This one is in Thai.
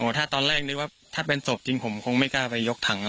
ถ้าตอนแรกนึกว่าถ้าเป็นศพจริงผมคงไม่กล้าไปยกถัง